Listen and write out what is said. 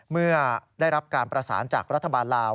เมื่อได้รับการประสานจากรัฐบาลลาว